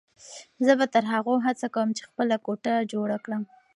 زه به تر هغو هڅه کوم چې خپله کوټه جوړه کړم.